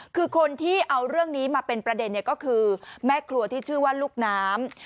คือคนที่เอาเรื่องนี้มาเป็นประเด็นก็คือแม่ครัวที่ชื่อว่าลูกน้ำ